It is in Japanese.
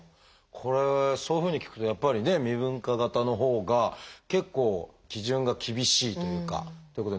これそういうふうに聞くとやっぱりね未分化型のほうが結構基準が厳しいというかということになるってことですね先生。